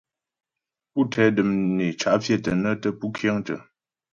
Pú tɛ də̀m né cǎ' pfyə̂tə nə́ tə́ pú kyə̂tə.